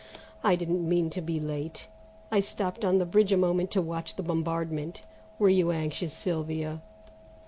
"I didn't mean to be late; I stopped on the bridge a moment to watch the bombardment. Were you anxious, Sylvia?"